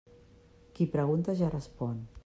Qui pregunta, ja respon.